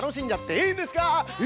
いいんです！